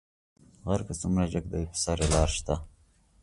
غر کۀ څومره جګ دى، پۀ سر يې لار شته.